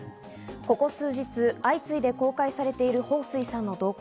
ここ数日、相次いで公開されているホウ・スイさんの動向。